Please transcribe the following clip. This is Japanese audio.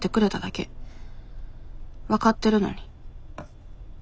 分かってるのに。